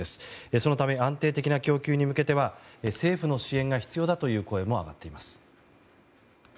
そのため安定的な供給に向けては政府の支援が必要だという声も上がっています。